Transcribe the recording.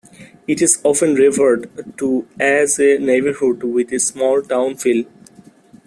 It is often referred to as a neighborhood with a "small town-feel".